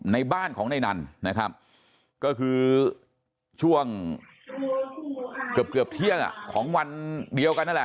ในบ้านของในนั้นนะครับก็คือช่วงเกือบเกือบเที่ยงของวันเดียวกันนั่นแหละ